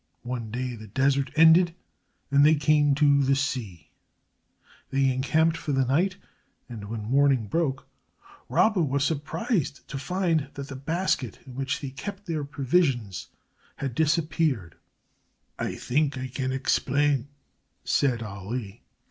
One day the desert ended and they came to the sea. They encamped for the night, and when morning broke Rabba was surprised to find that the basket, in which they kept their provisions, had disappeared. "I think I can explain," said Ali.